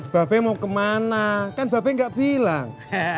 bape mau kemana kan bape nggak bilang